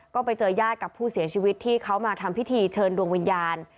ก็ไปเจอญาติกับผู้เสียชีวิตที่เขามาทำพิธีเชิญดวงวิญญาณ